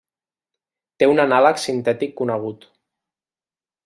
Té un anàleg sintètic conegut.